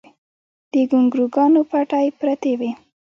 د ګونګروګانو پټۍ پرتې وې